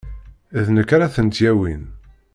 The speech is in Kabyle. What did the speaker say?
D nekk ara tent-yawin.